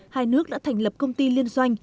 hai nước đã thành lập công ty liên doanh